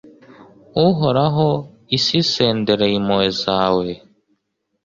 Uhoraho isi isendereye impuhwe zawe